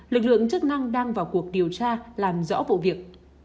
lực lượng chức năng đang vào cuộc điều tra làm rõ vụ việc